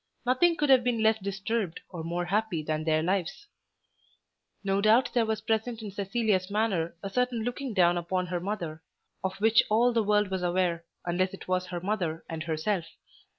Nothing could have been less disturbed or more happy than their lives. No doubt there was present in Cecilia's manner a certain looking down upon her mother, of which all the world was aware, unless it was her mother and herself.